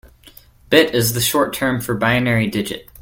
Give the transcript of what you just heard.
Bit is the short term for binary digit.